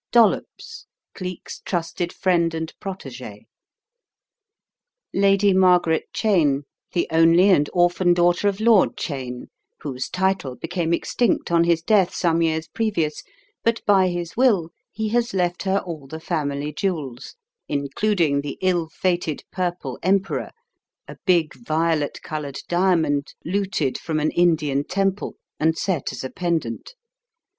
Dollops, Geek's trusted friend and protegS. Lady Margaret Cheyne, the only and orphan daughter of Lord Cheyne, whose title became extinct on his death, some years previous, but by his will he has left her all the family jewels, including the ill fated Purple Emperor, a big violet coloured diamond looted from an Indian temple, and set as a pen dant.